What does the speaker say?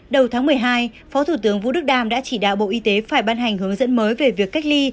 đầu tháng một mươi hai phó thủ tướng vũ đức đam đã chỉ đạo bộ y tế phải ban hành hướng dẫn mới về việc cách ly